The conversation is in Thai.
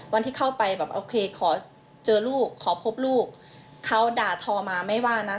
วันที่เข้าไปแบบโอเคขอเจอลูกขอพบลูกเขาด่าทอมาไม่ว่านะ